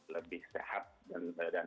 lebih sehat dan dan